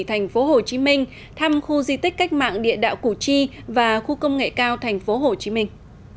thành phố hồ chí minh thăm khu di tích cách mạng địa đạo củ chi và khu công nghệ cao thành phố hồ chí minh